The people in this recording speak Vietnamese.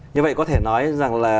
như vậy có thể nói rằng là